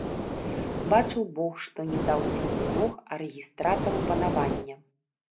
Бачыў бог, што не даў свінні рог, а рэгістратару панавання.